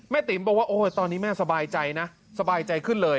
ติ๋มบอกว่าโอ้ยตอนนี้แม่สบายใจนะสบายใจขึ้นเลย